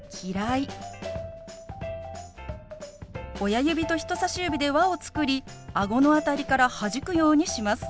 親指と人さし指で輪を作りあごの辺りからはじくようにします。